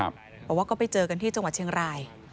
บอกว่าก็ไปเจอกันที่จังหวัดเชียงราย